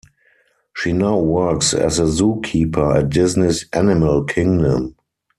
She now works as a zookeeper at Disney's Animal Kingdom.